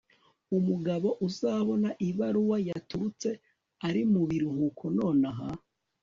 Umugabo uzabona ibaruwa yaturutse ari mubiruhuko nonaha